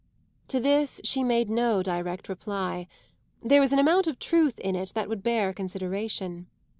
To this she made no direct reply; there was an amount of truth in it that would bear consideration.